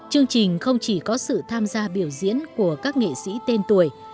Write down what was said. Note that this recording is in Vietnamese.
chương trình không chỉ có sự tham gia biểu diễn của các nghệ sĩ tên tuổi